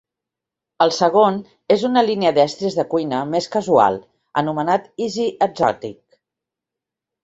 El segon és una línia d'estris de cuina més casual anomenat Easy Exotic.